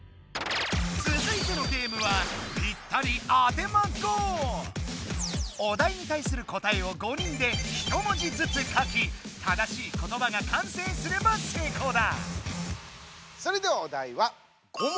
つづいてのゲームはお題に対する答えを５人でひと文字ずつ書き正しいことばがかんせいすれば成功だ！